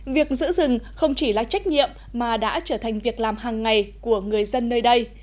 việc giữ rừng không chỉ là trách nhiệm mà đã trở thành việc làm hàng ngày của người dân nơi đây